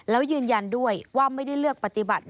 แล้วยืนยันด้วยว่าไม่ได้เลือกปฏิบัติ